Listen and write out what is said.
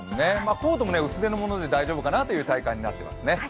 コートも薄手のもので大丈夫かなという体感になってますね。